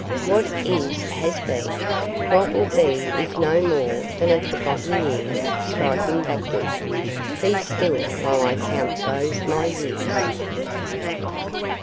"What is has been. What will be is no more than a forgotten year striking backward. Be still while I count those my years."